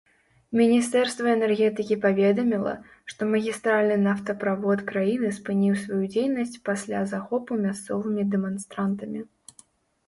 Міністэрства энергетыкі паведаміла, што магістральны нафтаправод краіны спыніў сваю дзейнасць пасля захопу мясцовымі дэманстрантамі.